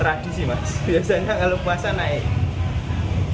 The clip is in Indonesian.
tradisi mas biasanya kalau puasa naik